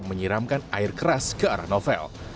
menyiramkan air keras ke arah novel